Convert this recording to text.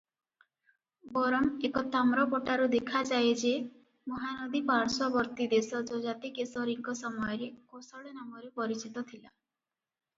ବରଂ ଏକ ତାମ୍ରପଟାରୁ ଦେଖାଯାଏ ଯେ ମହାନଦୀ ପାର୍ଶ୍ୱବର୍ତ୍ତୀଦେଶ ଯଯାତିକେଶରୀଙ୍କ ସମୟରେ କୋଶଳ ନାମରେ ପରିଚିତ ଥିଲା ।